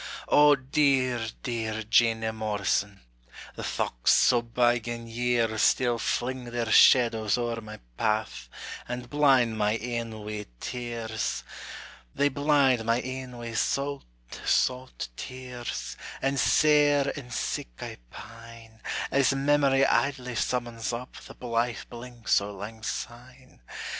O dear, dear Jeanie Morrison, The thochts o' bygane years Still fling their shadows ower my path, And blind my een wi' tears: They blind my een wi' saut, saut tears, And sair and sick I pine, As memory idly summons up The blithe blinks o' langsyne.